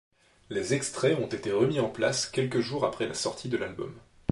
Les extraits ont été remis en place quelques jours après la sortie de l'album.